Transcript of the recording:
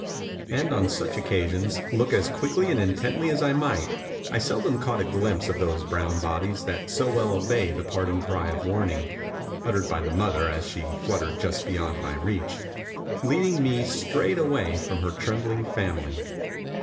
And on such occasions look as quickly and intently as I might I seldom caught a glimpse of those brown bodies that so well obey the parting cry of warning, uttered by the mother as she fluttered just beyond my reach, leading me straight away from her trembling family.